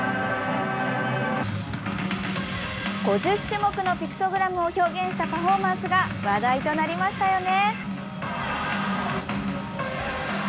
５０種目のピクトグラムを表現したパフォーマンスが話題となりましたよね。